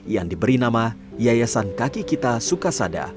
yang diberi nama yayasan kaki kita sukasada